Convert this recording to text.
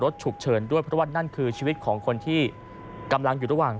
ฉุกเฉินด้วยเพราะว่านั่นคือชีวิตของคนที่กำลังอยู่ระหว่าง